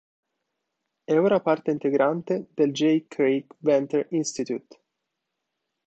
È ora parte integrante del J. Craig Venter Institute.